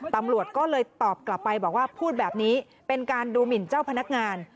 ตำรวจก็เลยตอบกลับไปบอกว่าพูดแบบนี้เป็นการดูหมินเจ้าพนักงาน